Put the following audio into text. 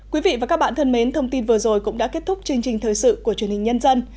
quý vị và các bạn thân mến thông tin vừa rồi cũng đã kết thúc chương trình thời sự của truyền hình nhân dân